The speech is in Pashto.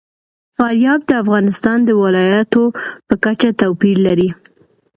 فاریاب د افغانستان د ولایاتو په کچه توپیر لري.